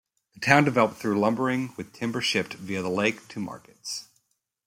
The town developed through lumbering, with timber shipped via the lake to markets.